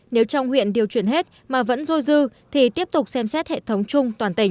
nếu trong huyện điều chuyển hết mà vẫn dôi dư thì tiếp tục xem xét hệ thống chung toàn tỉnh